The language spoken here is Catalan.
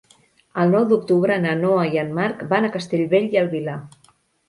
El nou d'octubre na Noa i en Marc van a Castellbell i el Vilar.